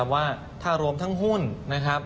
ว่าถ้ารวมทั้งหุ้นนะครับ